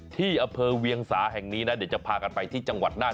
ที่อเภอเวียงสาแห่งนี้จะพากันไปที่จังหวัดน่าน